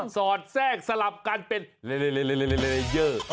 สอดแทรกสลับกันเป็นเลเยอร์